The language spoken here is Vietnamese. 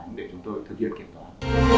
để chúng tôi thực hiện kiểm toán